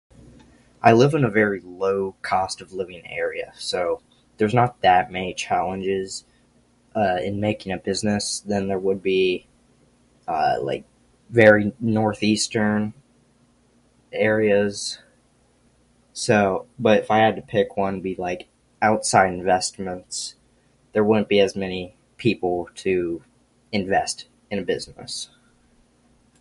I live in a very low-cost-of-living area, so there's not that many challenges, uh, in making a business than there would be, uh, like, very northeastern areas. So-- but if I had to pick one, it'd be like, outside investments. There wouldn't be as many people to invest in a business.